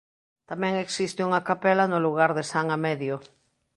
Tamén existe unha capela no lugar de San Amedio.